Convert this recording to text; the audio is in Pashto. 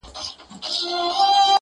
ځکه په سترګو هم یو شمیر ښایستونه ګوري